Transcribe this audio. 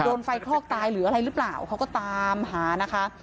โดนไฟคลอกตายหรืออะไรหรือเปล่าเขาก็ตามหานะคะ